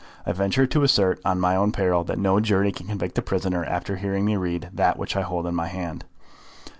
I venture to assert, on my own peril, that no jury can convict the prisoner after hearing me read that which I hold in my hand."